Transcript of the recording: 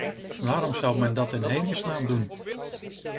Waarom zou men dat in hemelsnaam doen?